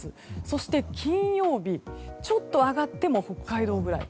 そして、金曜日ちょっと上がっても北海道ぐらい。